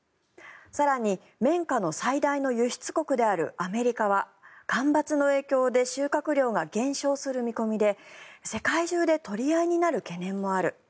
更に、綿花の最大の輸出国であるアメリカは干ばつの影響で収穫量が減少する見込みで世界中で取り合いになる懸念もある。